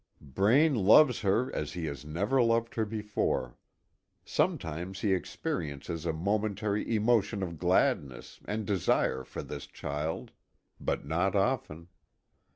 Braine loves her as he has never loved her before. Sometimes he experiences a momentary emotion of gladness and desire for this child but not often.